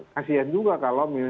kasian juga kalau